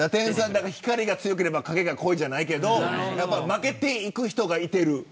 光が強ければ影が濃いじゃないけど負けていく人がいる。